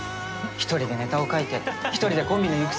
一人でネタを書いて一人でコンビの行く末に悩んで。